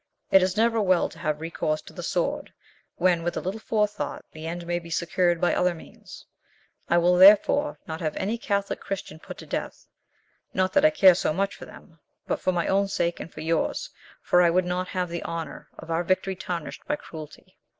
It is never well to have recourse to the sword, when, with a little forethought, the end may be secured by other means. I will, therefore, not have any Catholic Christian put to death, not that I care so much for them, but for my own sake and for yours, for I would not have the honour of our victory tarnished by cruelty.